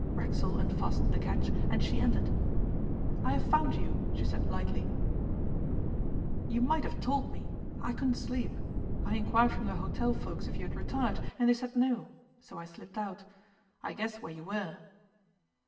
Racksole unfastened the catch, and she entered. 'I have found you,' she said lightly; 'you might have told me. I couldn't sleep. I inquired from the hotel folks if you had retired, and they said no; so I slipped out. I guessed where you were.